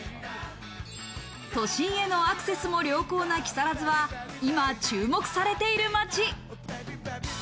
都心へのアクセスも良好な木更津は今、注目されている町。